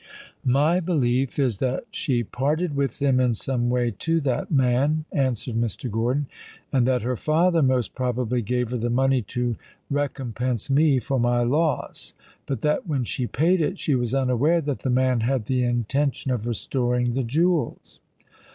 "My belief is that she parted with them in some way to that man," answered Mr. Gordon; "and that her father most probably gave her the money to recompense me for my loss; but that when she paid it, she was unaware that the man had the intention of restoring the jewels."